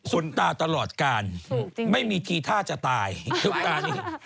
ส่วนตาตลอดการไม่มีทีท่าจะตายซุปตานี้